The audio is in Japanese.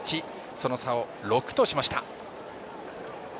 その差を６としました。